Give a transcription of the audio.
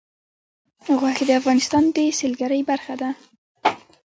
غوښې د افغانستان د سیلګرۍ برخه ده.